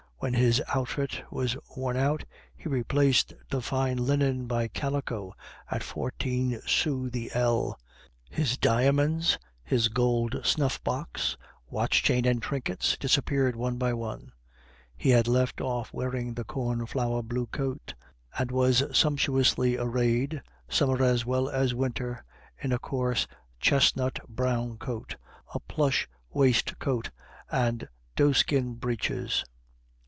When his outfit was worn out, he replaced the fine linen by calico at fourteen sous the ell. His diamonds, his gold snuff box, watch chain and trinkets, disappeared one by one. He had left off wearing the corn flower blue coat, and was sumptuously arrayed, summer as well as winter, in a coarse chestnut brown coat, a plush waistcoat, and doeskin breeches.